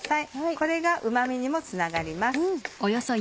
これがうま味にもつながります。